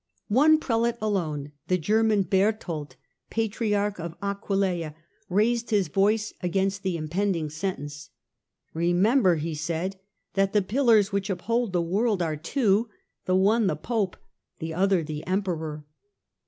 One Prelate alone, the German Berthold, Patriarch of Aquilea, raised his voice against the impending sentence. " Remember," he said, " that the pillars which uphold the world are two : the one the Pope, the other the Emperor."